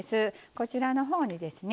こちらの方にですね